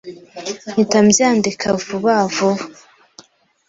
mpita mbyandika vuba vuba,